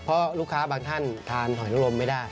เพราะลูกค้าบางท่านทานหอยนลมไม่ได้